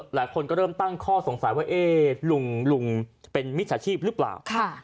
หลายคนก็เริ่มตั้งข้อสงสัยว่าลุงเป็นมิจฉาชีพหรือเปล่า